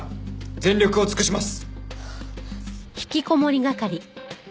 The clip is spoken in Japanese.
全力を尽くします！